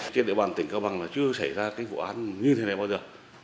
trên địa bàn tỉnh cao bằng là chưa xảy ra cái vụ án như thế này bao giờ